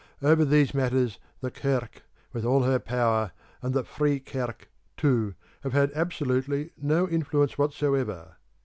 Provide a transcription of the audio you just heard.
Over these matters the Kirk, with all her power, and the Free Kirk too, have had absolutely no influence whatever.